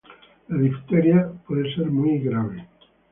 La difteria puede ser muy grave